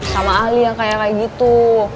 sama ahli yang kayak kayak gitu